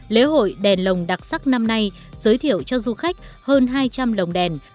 lễ hội đèn lồng đặc sắc năm nay giới thiệu cho du khách hơn hai trăm linh lồng đèn